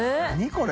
これ。